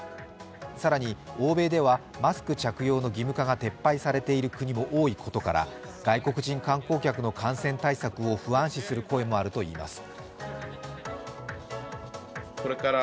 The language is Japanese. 更に、欧米ではマスク着用の義務化が撤廃されている国も多いことから外国人観光客の感染対策を不安視する声もあるといいます。